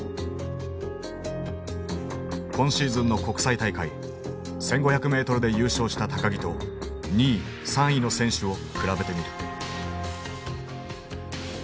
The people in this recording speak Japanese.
今シーズンの国際大会１，５００ｍで優勝した木と２位３位の選手を比べてみる。